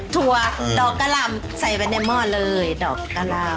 ถั่วดอกกะหล่ำใส่ไว้ในหม้อเลยดอกกะลาม